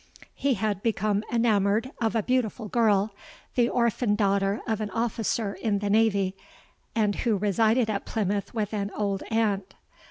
He had become enamoured of a beautiful girl, the orphan daughter of an officer in the Navy, and who resided at Plymouth with an old aunt.